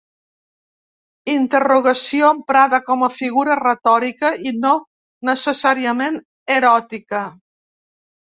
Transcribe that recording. Interrogació emprada com a figura retòrica i no necessàriament eròtica.